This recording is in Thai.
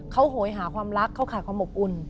เขาโหยหาความรักเขาขาดความอบอุ่น